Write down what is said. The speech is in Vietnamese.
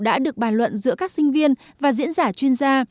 đã được bàn luận giữa các sinh viên và diễn giả chuyên gia